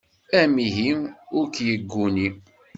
Amihi ur k-yegguni.